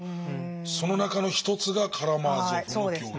その中の一つが「カラマーゾフの兄弟」。